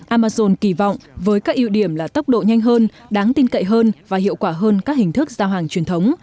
amazon kỳ vọng với các ưu điểm là tốc độ nhanh hơn đáng tin cậy hơn và hiệu quả hơn các hình thức giao hàng truyền thống